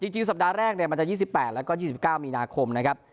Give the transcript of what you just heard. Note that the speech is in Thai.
จริงสัปดาห์แรกมันจะ๒๘แล้วก็๒๙มีนาคมนะครับ